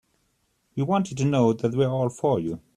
We want you to know that we're all for you.